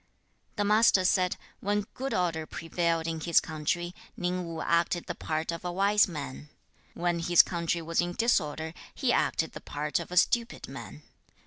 The Master said, 'When good order prevailed in his country, Ning Wu acted the part of a wise man. When his country was in disorder, he acted the part of a stupid man.